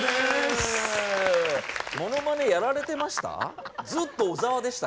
ものまねやられてました？